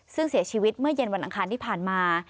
ซึ่งเสียชีวิตเมื่อเย็นวันอังคารที่ผ่านมา